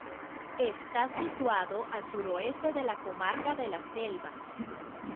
Está situado al sureste de la comarca de la Selva.